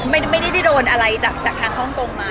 ไม่ได้ดูดสิ่งที่ของมาจากห้องโมง